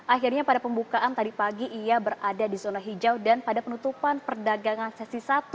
akhirnya pada pembukaan tadi pagi ia berada di zona hijau dan pada penutupan perdagangan sesi satu